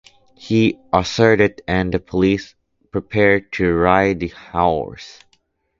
He is arrested and the police prepare to raid the house.